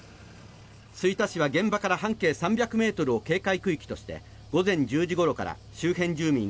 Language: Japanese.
吹田市は現場から半径３００ｍを警戒区域として午前１０時ごろから周辺住民